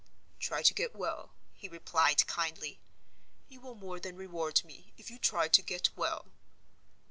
"Try to get well," he replied, kindly. "You will more than reward me, if you try to get well."